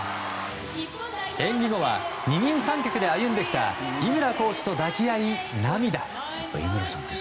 演技後は、二人三脚で歩んできた井村コーチと抱き合い、涙。